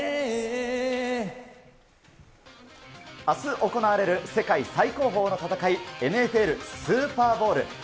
あす行われる世界最高峰の戦い、ＮＦＬスーパーボウル。